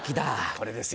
これですよ。